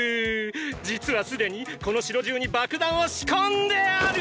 実は既にこの城中に爆弾を仕込んである！！